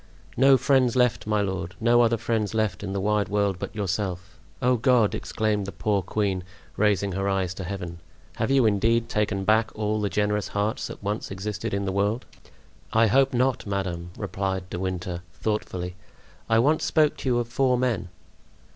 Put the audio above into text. "No friends left, my lord; no other friends left in the wide world but yourself! Oh, God!" exclaimed the poor queen, raising her eyes to Heaven, "have You indeed taken back all the generous hearts that once existed in the world?" "I hope not, madame," replied De Winter, thoughtfully; "I once spoke to you of four men."